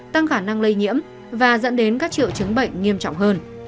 tăng khả năng lây nhiễm và dẫn đến các triệu chứng bệnh nghiêm trọng hơn